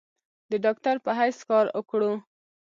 د ډاکټر پۀ حېث کار اوکړو ۔